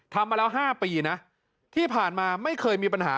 มาแล้ว๕ปีนะที่ผ่านมาไม่เคยมีปัญหา